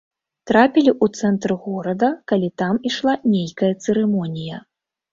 Трапілі ў цэнтр горада, калі там ішла нейкая цырымонія.